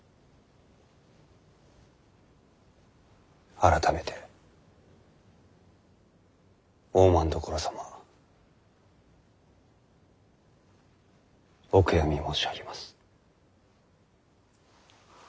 改めて大政所様お悔やみ申し上げます。